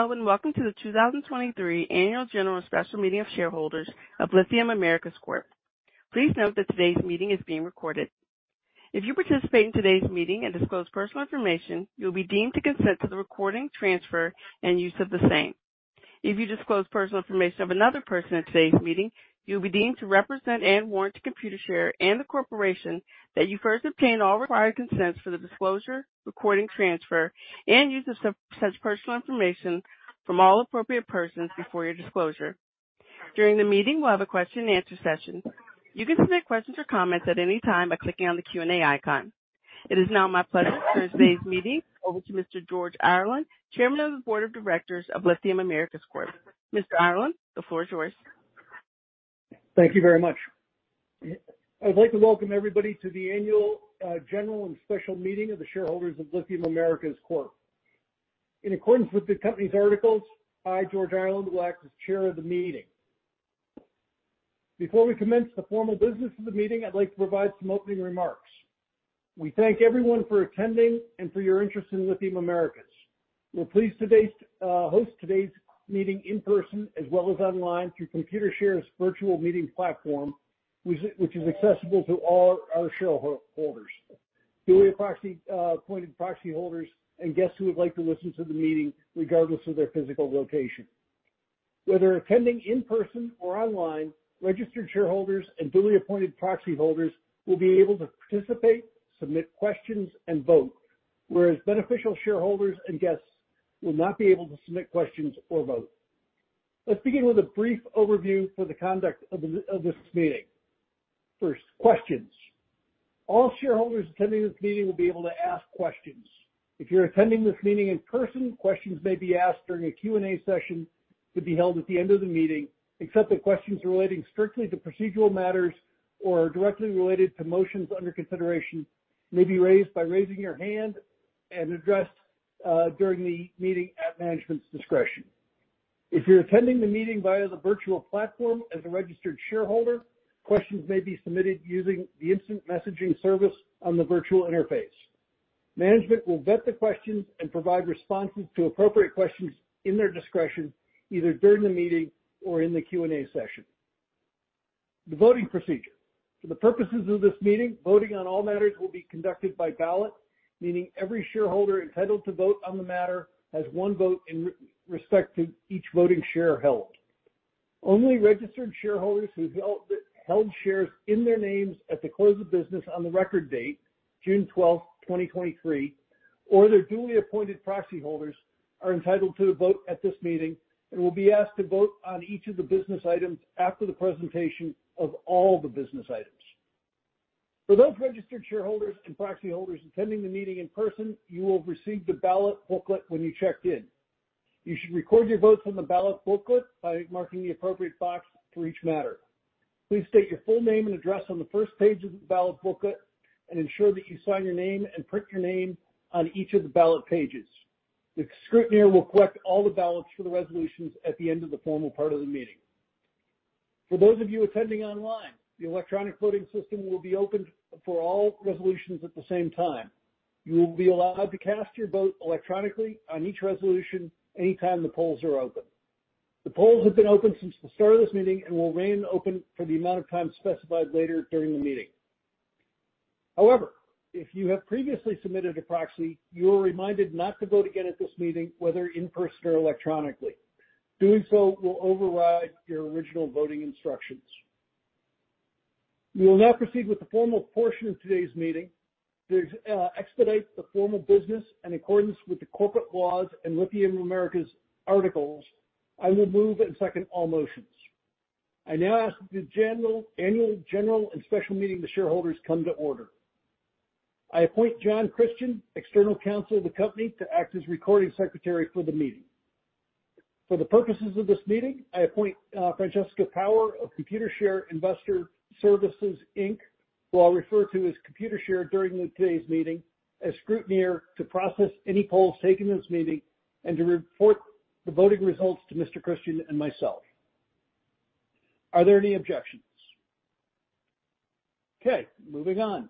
Hello, and welcome to the 2023 Annual General and Special Meeting of Shareholders of Lithium Americas Corp. Please note that today's meeting is being recorded. If you participate in today's meeting and disclose personal information, you'll be deemed to consent to the recording, transfer, and use of the same. If you disclose personal information of another person at today's meeting, you'll be deemed to represent and warrant to Computershare and the corporation that you first obtained all required consents for the disclosure, recording, transfer, and use of such personal information from all appropriate persons before your disclosure. During the meeting, we'll have a question and answer session. You can submit questions or comments at any time by clicking on the Q&A icon. It is now my pleasure to turn today's meeting over to Mr. George Ireland, Chairman of the Board of Directors of Lithium Americas Corp. Mr. Ireland, the floor is yours. Thank you very much. I'd like to welcome everybody to the annual general and special meeting of the shareholders of Lithium Americas Corp. In accordance with the company's articles, I, George Ireland, will act as chair of the meeting. Before we commence the formal business of the meeting, I'd like to provide some opening remarks. We thank everyone for attending and for your interest in Lithium Americas. We're pleased today's host today's meeting in person as well as online through Computershare's virtual meeting platform, which is accessible to all our shareholders, duly proxy appointed proxy holders, and guests who would like to listen to the meeting regardless of their physical location. Whether attending in person or online, registered shareholders and duly appointed proxy holders will be able to participate, submit questions, and vote, whereas beneficial shareholders and guests will not be able to submit questions or vote. Let's begin with a brief overview for the conduct of this meeting. First, questions. All shareholders attending this meeting will be able to ask questions. If you're attending this meeting in person, questions may be asked during a Q&A session to be held at the end of the meeting, except that questions relating strictly to procedural matters or directly related to motions under consideration may be raised by raising your hand and addressed during the meeting at management's discretion. If you're attending the meeting via the virtual platform as a registered shareholder, questions may be submitted using the instant messaging service on the virtual interface. Management will vet the questions and provide responses to appropriate questions in their discretion, either during the meeting or in the Q&A session. The voting procedure. For the purposes of this meeting, voting on all matters will be conducted by ballot, meaning every shareholder entitled to vote on the matter has one vote in respect to each voting share held. Only registered shareholders who held shares in their names at the close of business on the record date, June 12th, 2023, or their duly appointed proxy holders, are entitled to a vote at this meeting and will be asked to vote on each of the business items after the presentation of all the business items. For those registered shareholders and proxy holders attending the meeting in person, you will receive the ballot booklet when you checked in. You should record your votes on the ballot booklet by marking the appropriate box for each matter. Please state your full name and address on the first page of the ballot booklet and ensure that you sign your name and print your name on each of the ballot pages. The scrutineer will collect all the ballots for the resolutions at the end of the formal part of the meeting. For those of you attending online, the electronic voting system will be open for all resolutions at the same time. You will be allowed to cast your vote electronically on each resolution anytime the polls are open. The polls have been open since the start of this meeting and will remain open for the amount of time specified later during the meeting. However, if you have previously submitted a proxy, you are reminded not to vote again at this meeting, whether in person or electronically. Doing so will override your original voting instructions. We will now proceed with the formal portion of today's meeting. To expedite the formal business in accordance with the corporate laws and Lithium Argentina articles, I will move and second all motions. I now ask the Annual General and Special Meeting of Shareholders come to order. I appoint John Christian, External Counsel of the company, to act as Recording Secretary for the meeting. For the purposes of this meeting, I appoint Francesca Power of Computershare Investor Services Inc, who I'll refer to as Computershare during today's meeting, as Scrutineer to process any polls taken in this meeting and to report the voting results to Mr. Christian and myself. Are there any objections? Okay, moving on.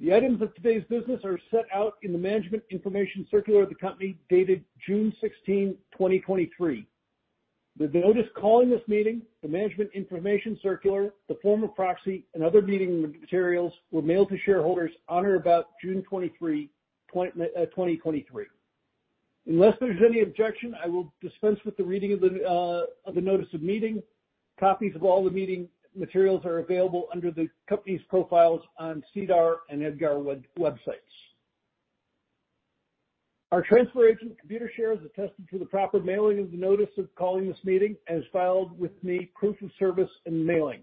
The items of today's business are set out in the management information circular of the company dated June 16th, 2023. The notice calling this meeting, the management information circular, the form of proxy, and other meeting materials were mailed to shareholders on or about June 23, 2023. Unless there's any objection, I will dispense with the reading of the of the notice of meeting. Copies of all the meeting materials are available under the company's profiles on SEDAR+ and EDGAR websites. Our transfer agent, Computershare, has attested to the proper mailing of the notice of calling this meeting and has filed with me proof of service and mailing.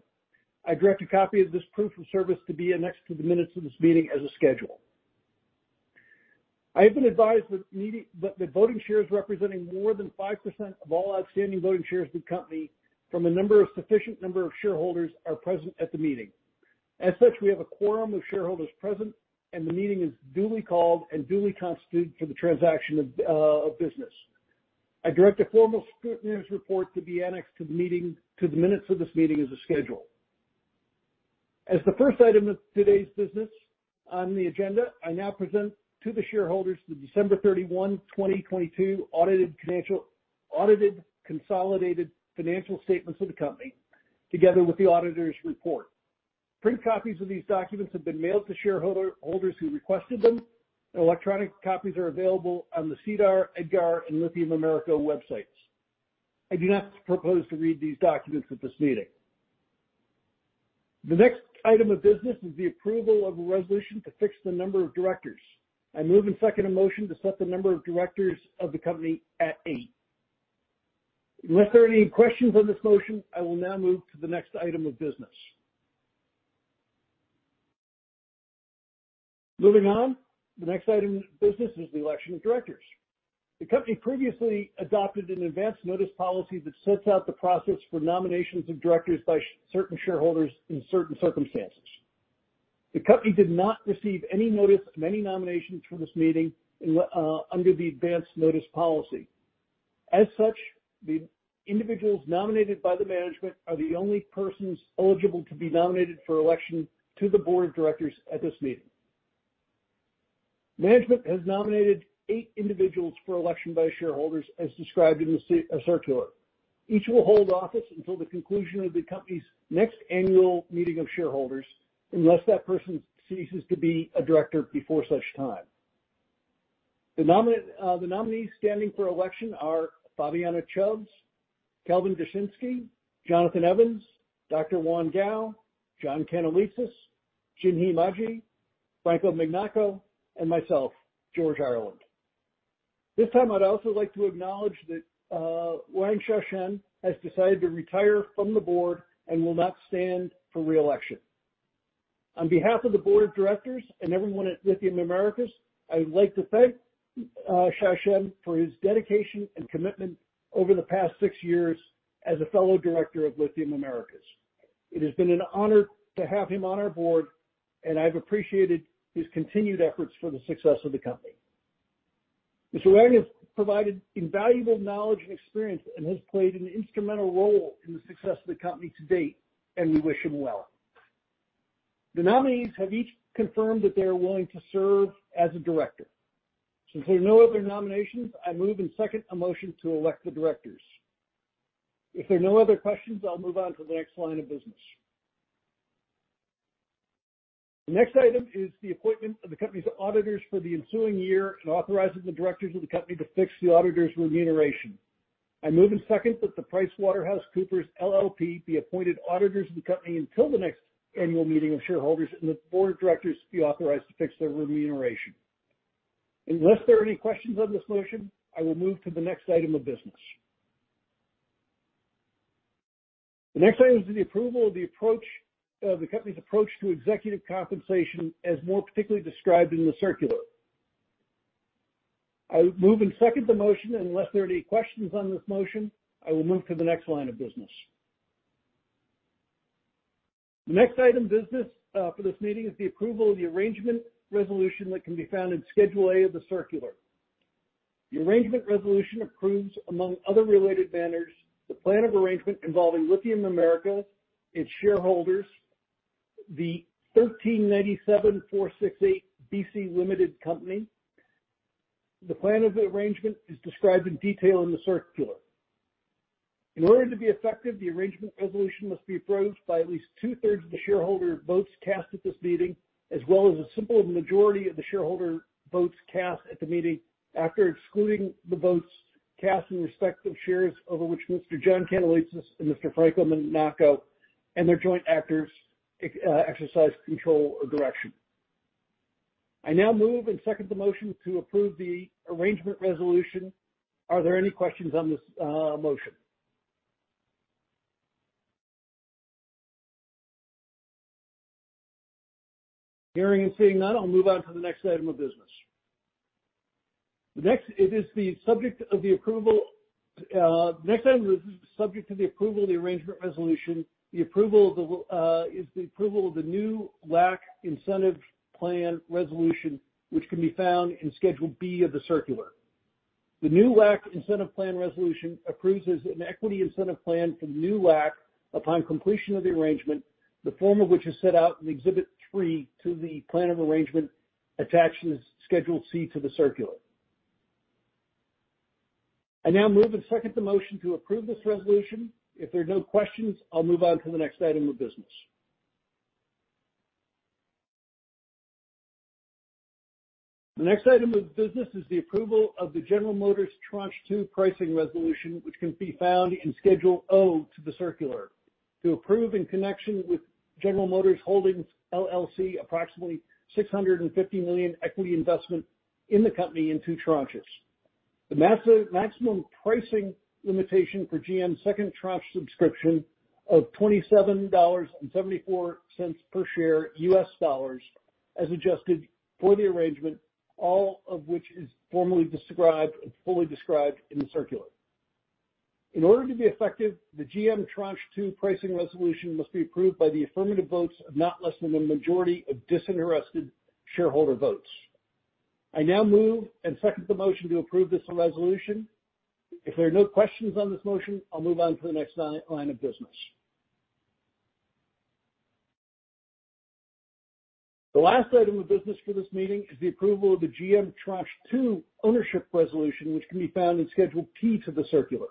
I direct a copy of this proof of service to be annexed to the minutes of this meeting as a schedule. I have been advised that the voting shares representing more than 5% of all outstanding voting shares of the company from a sufficient number of shareholders are present at the meeting. As such, we have a quorum of shareholders present, and the meeting is duly called and duly constituted for the transaction of business. I direct the formal scrutineer's report to be annexed to the meeting, to the minutes of this meeting as a schedule. As the first item of today's business on the agenda, I now present to the shareholders the December 31, 2022 audited consolidated financial statements of the company, together with the auditor's report. Print copies of these documents have been mailed to shareholders who requested them, and electronic copies are available on the SEDAR+, EDGAR, and Lithium Americas websites. I do not propose to read these documents at this meeting. The next item of business is the approval of a resolution to fix the number of directors. I move and second a motion to set the number of directors of the company at eight. Unless there are any questions on this motion, I will now move to the next item of business. The next item of business is the election of directors. The company previously adopted an advanced notice policy that sets out the process for nominations of directors by certain shareholders in certain circumstances. The company did not receive any notice of any nominations for this meeting under the advanced notice policy. The individuals nominated by the management are the only persons eligible to be nominated for election to the board of directors at this meeting. Management has nominated eight individuals for election by shareholders, as described in the Circular. Each will hold office until the conclusion of the company's next annual meeting of shareholders, unless that person ceases to be a director before such time. The nominees standing for election are Fabiana Chubbs, Kelvin Dushnisky, Jonathan Evans, Dr. Yuan Gao, John Kanellitsas, Jinhee Magie, Franco Mignacco, and myself, George Ireland. This time, I'd also like to acknowledge that Wang Xiaoshen has decided to retire from the board and will not stand for re-election. On behalf of the board of directors and everyone at Lithium Americas, I would like to thank Xiaoshen for his dedication and commitment over the past six years as a fellow director of Lithium Americas. It has been an honor to have him on our board, and I've appreciated his continued efforts for the success of the company. Mr. Wang has provided invaluable knowledge and experience and has played an instrumental role in the success of the company to date, and we wish him well. The nominees have each confirmed that they are willing to serve as a director. Since there are no other nominations, I move and second a motion to elect the directors. If there are no other questions, I'll move on to the next line of business. The next item is the appointment of the company's auditors for the ensuing year and authorizing the directors of the company to fix the auditor's remuneration. I move and second that PricewaterhouseCoopers LLP be appointed auditors of the company until the next annual meeting of shareholders, and the board of directors be authorized to fix their remuneration. Unless there are any questions on this motion, I will move to the next item of business. The next item is the approval of the company's approach to executive compensation, as more particularly described in the Circular. I move and second the motion, and unless there are any questions on this motion, I will move to the next line of business. The next item of business for this meeting is the approval of the arrangement resolution that can be found in Schedule "A" of the Circular. The arrangement resolution approves, among other related matters, the plan of arrangement involving Lithium Americas, its shareholders, the 1397468 B.C. Ltd. The plan of the arrangement is described in detail in the Circular. In order to be effective, the arrangement resolution must be approved by at least two-thirds of the shareholder votes cast at this meeting, as well as a simple majority of the shareholder votes cast at the meeting, after excluding the votes cast in respect of shares over which Mr. John Kanellitsas and Mr. Franco Mignacco and their joint actors exercise control or direction. I now move and second the motion to approve the arrangement resolution. Are there any questions on this motion? Hearing and seeing none, I'll move on to the next item of business. The next, it is the subject of the approval... The next item is subject to the approval of the arrangement resolution, the approval of the New LAC Incentive Plan resolution, which can be found in Schedule "B" of the Circular. The New LAC Incentive Plan resolution approves an equity incentive plan for New LAC upon completion of the arrangement, the form of which is set out in Exhibit 3 to the plan of arrangement attached in Schedule "C" to the Circular. I now move and second the motion to approve this resolution. If there are no questions, I'll move on to the next item of business. The next item of business is the approval of the General Motors Tranche 2 pricing resolution, which can be found in Schedule "O" to the Circular. To approve, in connection with General Motors Holdings LLC, approximately $650 million equity investment in the company in 2 tranches. The maximum pricing limitation for GM's second tranche subscription of $27.74 per share, US dollars, as adjusted for the arrangement, all of which is formally described, and fully described in the circular. In order to be effective, the GM Tranche 2 pricing resolution must be approved by the affirmative votes of not less than the majority of disinterested shareholder votes. I now move and second the motion to approve this resolution. If there are no questions on this motion, I'll move on to the next line, line of business. The last item of business for this meeting is the approval of the GM Tranche 2 Ownership Resolution, which can be found in Schedule "T" to the Circular.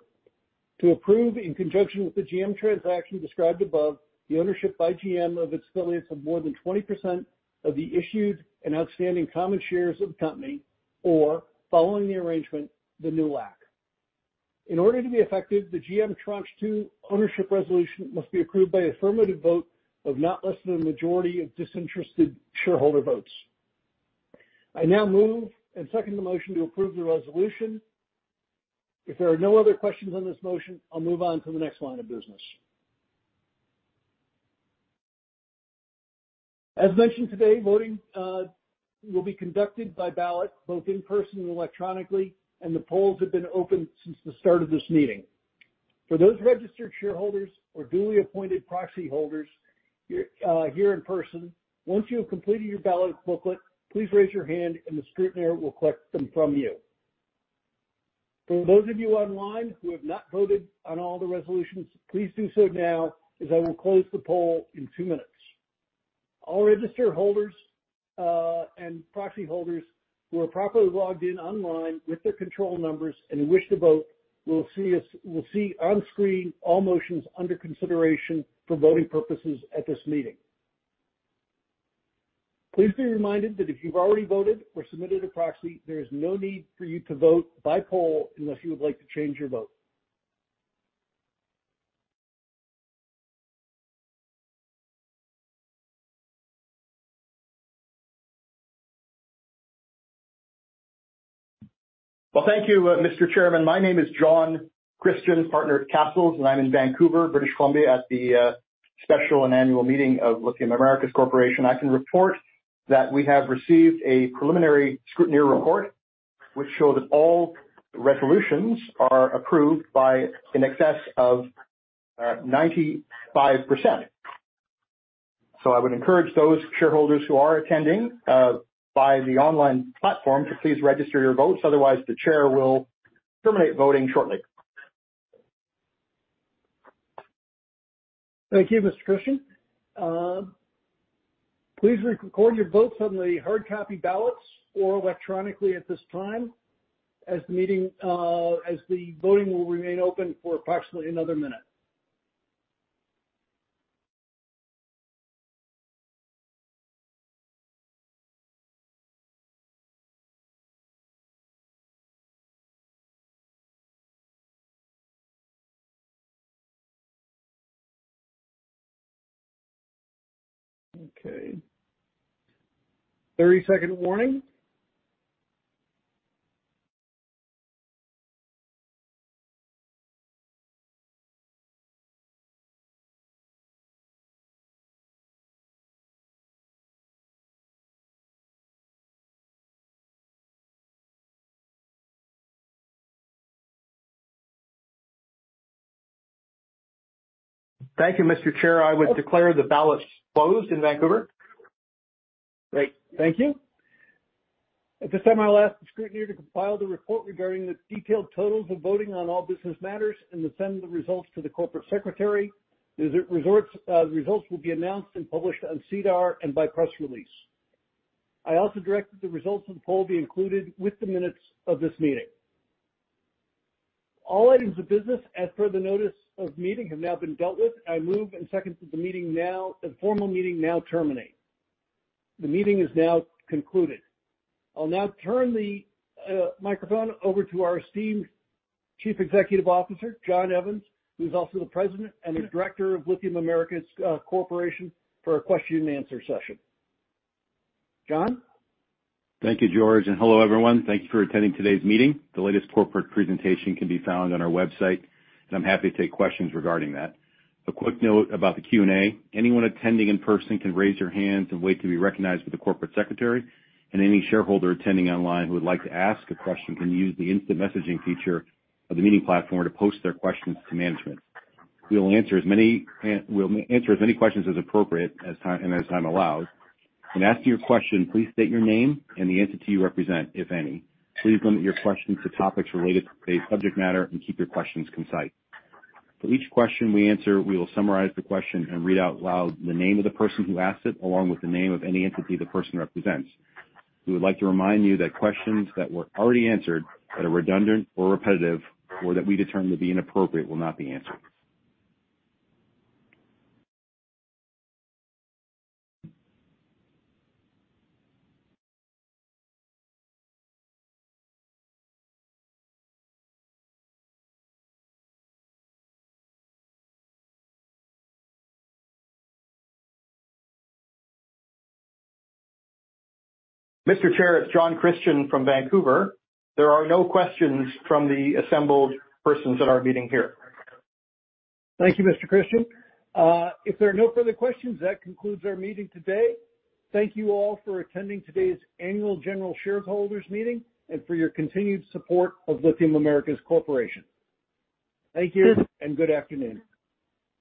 To approve, in conjunction with the GM transaction described above, the ownership by GM of its affiliates of more than 20% of the issued and outstanding common shares of the company, or following the arrangement, the New LAC. In order to be effective, the GM Tranche 2 Ownership Resolution must be approved by affirmative vote of not less than a majority of disinterested shareholder votes. I now move and second the motion to approve the resolution. If there are no other questions on this motion, I'll move on to the next line of business. As mentioned today, voting will be conducted by ballot, both in person and electronically, and the polls have been open since the start of this meeting. For those registered shareholders or duly appointed proxy holders, here, here in person, once you have completed your ballot booklet, please raise your hand and the scrutineer will collect them from you. For those of you online who have not voted on all the resolutions, please do so now, as I will close the poll in two minutes. All registered holders, and proxy holders who are properly logged in online with their control numbers and wish to vote will see on screen all motions under consideration for voting purposes at this meeting. Please be reminded that if you've already voted or submitted a proxy, there is no need for you to vote by poll unless you would like to change your vote. Well, thank you, Mr. Chairman. My name is John Christian, partner at Cassels, and I'm in Vancouver, British Columbia, at the special and annual meeting of Lithium Americas Corp. I can report that we have received a preliminary scrutineer report, which shows that all resolutions are approved by in excess of 95%. I would encourage those shareholders who are attending by the online platform to please register your votes, otherwise the chair will terminate voting shortly. Thank you, Mr. Christian. Please record your votes on the hard copy ballots or electronically at this time, as the meeting, as the voting will remain open for approximately another minute. Okay, 30-second warning. Thank you, Mr. Chair. I would declare the ballots closed in Vancouver. Great. Thank you. At this time, I'll ask the scrutineer to compile the report regarding the detailed totals of voting on all business matters and to send the results to the corporate secretary. The results will be announced and published on SEDAR+ and by press release. I also direct that the results of the poll be included with the minutes of this meeting. All items of business as per the notice of meeting have now been dealt with. I move and second that the meeting now, the formal meeting now terminate. The meeting is now concluded. I'll now turn the microphone over to our esteemed Chief Executive Officer, John Evans, who's also the President and the Director of Lithium Americas Corporation, for a question and answer session. John? Thank you, George. Hello, everyone. Thank you for attending today's meeting. The latest corporate presentation can be found on our website. I'm happy to take questions regarding that. A quick note about the Q&A. Anyone attending in person can raise your hands and wait to be recognized by the corporate secretary. Any shareholder attending online who would like to ask a question can use the instant messaging feature of the meeting platform to post their questions to management. We will answer as many, we'll answer as many questions as appropriate as time, as time allows. When asking your question, please state your name and the entity you represent, if any. Please limit your questions to topics related to today's subject matter and keep your questions concise. For each question we answer, we will summarize the question and read out loud the name of the person who asked it, along with the name of any entity the person represents. We would like to remind you that questions that were already answered, that are redundant or repetitive, or that we determine to be inappropriate, will not be answered. Mr. Chair, it's John Christian from Vancouver. There are no questions from the assembled persons at our meeting here. Thank you, Mr. Christian. If there are no further questions, that concludes our meeting today. Thank you all for attending today's Annual General Shareholders Meeting and for your continued support of Lithium Americas Corp.. Thank you and good afternoon.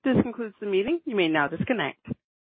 This concludes the meeting. You may now disconnect.